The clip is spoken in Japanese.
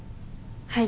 はい。